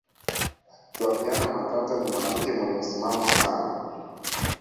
flaviana matata ni mwanamke mwenye msimamo sana